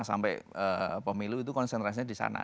sampai pemilu itu konsentrasinya di sana